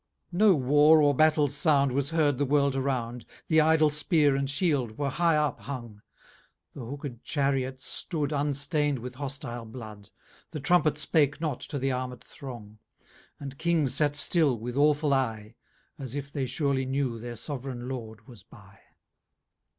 IV No War, or Battails sound Was heard the World around, The idle spear and shield were high up hung; The hooked Chariot stood Unstain'd with hostile blood, The Trumpet spake not to the armed throng, And Kings sate still with awfull eye, As if they surely knew their sovran Lord was by.